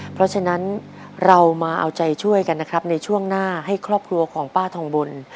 เพราะฉะนั้นเรามาเอาใจช่วยกันนะครับในช่วงหน้าให้ครอบครัวของป้าทองบน